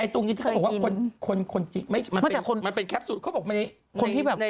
ตรงนี้เขาบอกว่ามันเป็นแคปซูตร